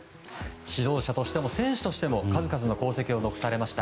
指導者としても選手としても数々の功績を残されました。